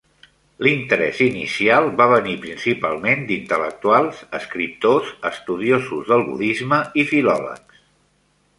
L'interès inicial va venir principalment d'intel·lectuals, escriptors, estudiosos del budisme i filòlegs.